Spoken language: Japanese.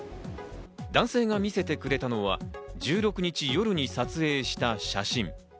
男性が見せてくれたのは１６日夜に撮影した写真。